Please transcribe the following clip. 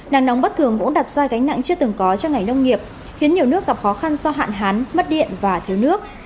nắng nóng bất thường cũng đặt ra gánh nặng chưa từng có cho ngành nông nghiệp khiến nhiều nước gặp khó khăn do hạn hán mất điện và thiếu nước